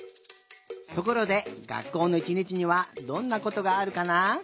ところでがっこうのいちにちにはどんなことがあるかな？